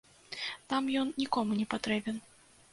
Там ён нікому не патрэбен.